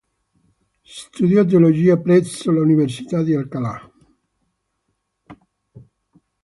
Studiò teologia presso l'Università di Alcalá.